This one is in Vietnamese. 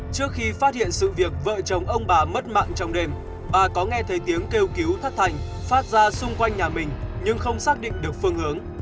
trước khi phát hiện sự việc vợ chồng ông bà mất mạng trong đêm bà có nghe thấy tiếng kêu cứu thất thành phát ra xung quanh nhà mình nhưng không xác định được phương hướng